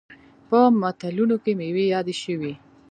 په متلونو کې میوې یادې شوي.